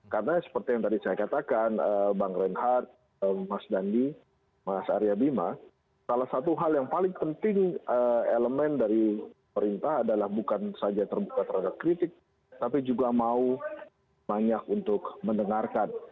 karena seperti yang tadi saya katakan bang reinhardt mas dandi mas aryabima salah satu hal yang paling penting elemen dari pemerintah adalah bukan saja terbuka terhadap kritik tapi juga mau banyak untuk mendengarkan